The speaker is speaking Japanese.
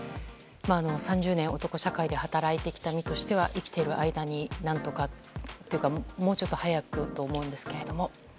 ３０年男社会で働いてきた身としては生きている間に、何とかというかもうちょっと早くと思うんですけれども。